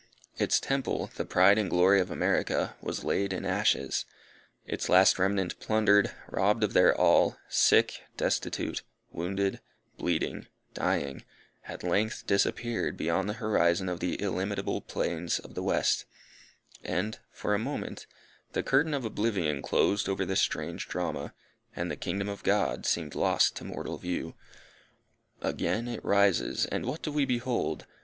Its temple, the pride and glory of America, was laid in ashes. Its last remnant plundered, robbed of their all, sick, destitute, wounded, bleeding, dying, at length disappeared beyond the horizon of the illimitable plains of the west, and, for a moment, the curtain of oblivion closed over this strange drama, and the kingdom of God seemed lost to mortal view. Again it rises, and what do we behold!